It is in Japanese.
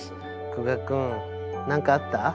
久我君何かあった？